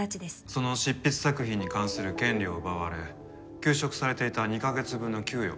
その執筆作品に関する権利を奪われ休職されていた２カ月分の給与